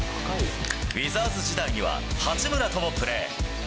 ウィザーズ時代には、八村ともプレー。